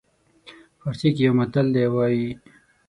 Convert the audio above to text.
پارسي کې یو متل دی وایي.